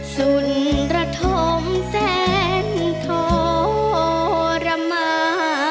สุนระทมแสนทรมา